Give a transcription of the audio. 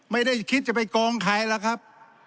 ไม่ได้คิดจะไปโกงใครหรอกครับ